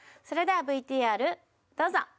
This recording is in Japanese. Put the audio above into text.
それではＶＴＲどうぞ！